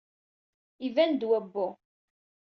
Iban-d wawwu.